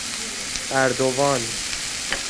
اَردوان